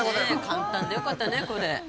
簡単でよかったね、これ。